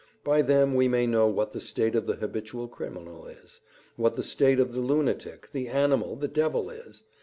By them we may know what the state of the habitual criminal is, what the state of the lunatic, the animal, the devil is.